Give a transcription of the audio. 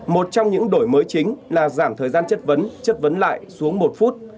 một trong những đổi mới chính là giảm thời gian chất vấn chất vấn lại xuống một phút